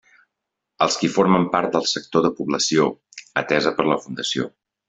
Els qui formen part del sector de població, atesa per la Fundació.